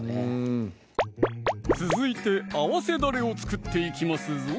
うん続いて合わせだれを作っていきますぞ